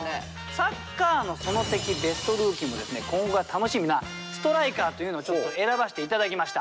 「サッカーの園」的ベストルーキーも今後が楽しみなストライカーというのをちょっと選ばせて頂きました。